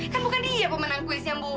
kan bukan dia pemenang kuisnya bu